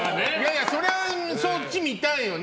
それはそっち見たいよね。